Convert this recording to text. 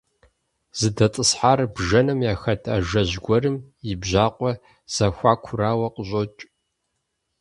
ЗыдэтӀысхьар бжэным яхэт ажэжь гуэрым и бжьакъуэ зэхуакурауэ къыщӀокӀ.